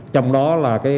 trong đó là cái